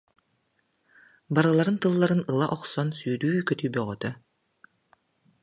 Барыларын тылларын ыла охсон, сүүрүү-көтүү бөҕөтө.